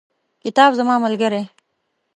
کتاب زما ملګری.